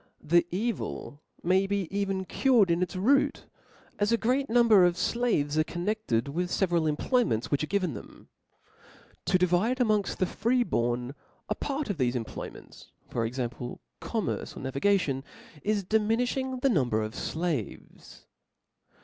The evil may be even cured in its root: as a great number of flaves are connected with the feveral employments which are given them ; to di vide amopgft the free born a part of thefe employ ments, for example, commerce or navigation, is diminiftiing the number of Haves.